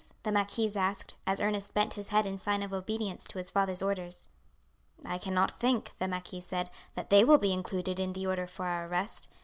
the marquise asked, as Ernest bent his head in sign of obedience to his father's orders. "I cannot think," the marquis said, "that they will be included in the order for our arrest.